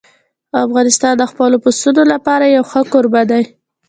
افغانستان د خپلو پسونو لپاره یو ښه کوربه دی.